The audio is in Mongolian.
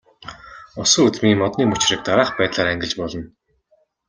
Усан үзмийн модны мөчрийг дараах байдлаар ангилж болно.